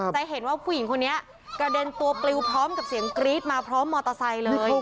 จะเห็นว่าผู้หญิงคนนี้กระเด็นตัวปลิวพร้อมกับเสียงกรี๊ดมาพร้อมมอเตอร์ไซค์เลย